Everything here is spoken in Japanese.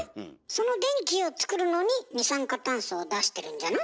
その電気を作るのに二酸化炭素を出してるんじゃない？